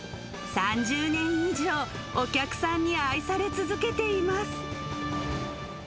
３０年以上、お客さんに愛され続けています。